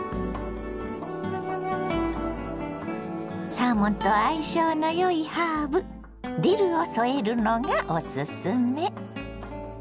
サーモンと相性のよいハーブディルを添えるのがおすすめ。